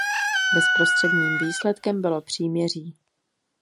Bezprostředním výsledkem bylo příměří!